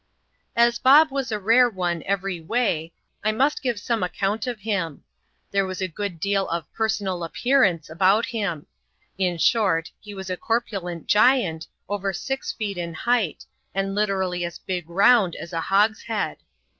As Bob was a rare one every way, I must give some account of him. There was a good deal of " personal appearance ^ about him ; in short, he was a corpulent giant, over six feet in height, and literally as big round as a hogshead.